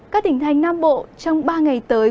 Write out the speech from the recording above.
các tỉnh thành nam bộ trong ba ngày tới